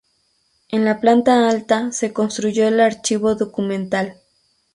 En la planta alta se construyó el archivo documental.